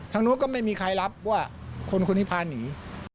นู้นก็ไม่มีใครรับว่าคนคนนี้พาหนี